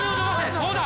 そうだ！